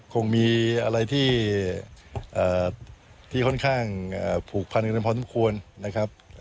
คงมีอะไรที่เอ่อที่ค่อนข้างเอ่อผูกพันธุ์กันพอที่ควรนะครับ